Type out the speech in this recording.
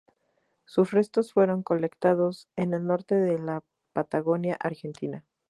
Sus restos fueron colectados en el norte de la Patagonia argentina.